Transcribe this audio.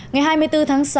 ngày hai mươi bốn tháng sáu